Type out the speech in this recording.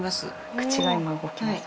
口が今動きました。